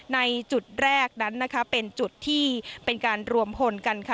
ในจุดแรกนั้นนะคะเป็นจุดที่เป็นการรวมพลกันค่ะ